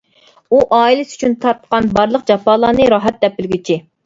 ئۇ، ئائىلىسى ئۈچۈن تارتقان بارلىق جاپالارنى راھەت دەپ بىلگۈچى.